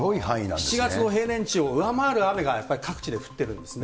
７月の平年値を上回る雨がやっぱり各地で降ってるんですね。